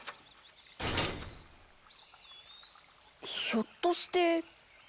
ひょっとして。